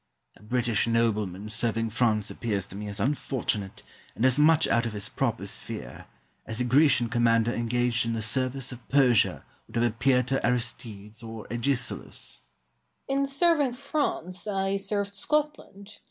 A British nobleman serving France appears to me as unfortunate and as much out of his proper sphere as a Grecian commander engaged in the service of Persia would have appeared to Aristides or Agesilaus. Douglas. In serving France I served Scotland.